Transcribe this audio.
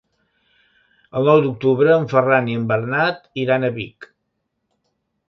El nou d'octubre en Ferran i en Bernat iran a Vic.